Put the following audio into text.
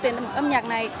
đến âm nhạc này